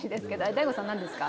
大悟さん何ですか？